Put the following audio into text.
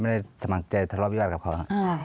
ไม่ได้สมัครใจทะเลาวิบาทกับเขาครับ